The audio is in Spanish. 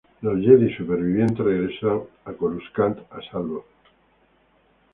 Los Jedi sobrevivientes regresan a Coruscant a salvo.